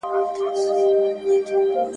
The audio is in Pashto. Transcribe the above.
خواړه د بدن د دفاع برخه ده.